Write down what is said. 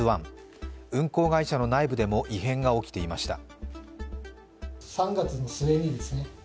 運航会社の内部でも異変が起きていました。